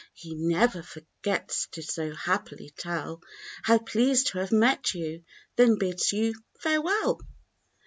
He never forgets to so happily tell How "Pleased to have met you," then bids you farewell.